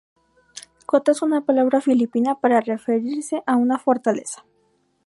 Kota es una palabra filipina para referirse a una fortaleza.